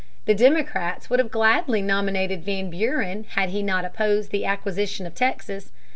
The Democrats would have gladly nominated Van Buren had he not opposed the acquisition of Texas.